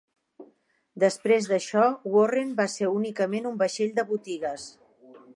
Després d'això, "Warren" va ser únicament un vaixell de botigues.